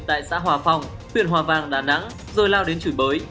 tại xã hòa phòng tuyển hòa vàng đà nẵng rồi lao đến chủi bới